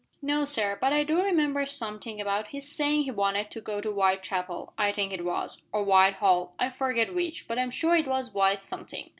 "No, sir, but I do remember something about his saying he wanted to go to Whitechapel I think it was or Whitehall, I forget which, but I'm sure it was white something."